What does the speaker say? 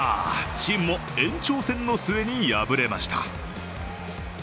チームも延長戦の末に敗れました。